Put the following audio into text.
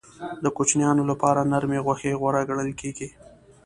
د کوچنیانو لپاره نرمې غوښې غوره ګڼل کېږي.